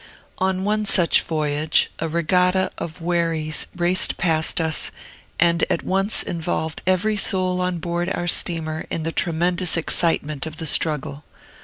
On one such voyage, a regatta of wherries raced past us, and at once involved every soul on board our steamer in the tremendous excitement of the struggle.